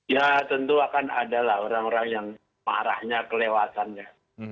ya tentu akan adalah orang orang yang marahnya kelewatannya